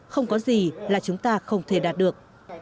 không có gì là chúng ta không thể đạt được